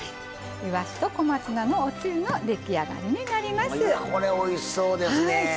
いわしと小松菜のおつゆの出来上がりになります。